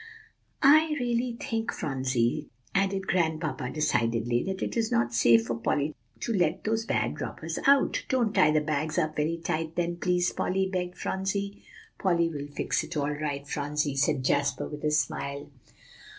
"I really think, Phronsie," added Grandpapa decidedly, "that it is not safe for Polly to let those bad robbers out." "Don't tie the bags up very tight, then, please, Polly," begged Phronsie. "Polly will fix it all right, Phronsie," said Jasper, with a smile.